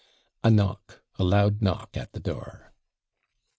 A knock, a loud knock at the door.